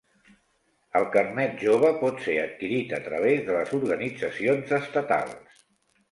El Carnet Jove pot ser adquirit a través de les organitzacions estatals.